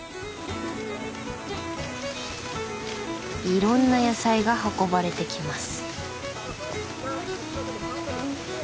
いろんな野菜が運ばれてきます。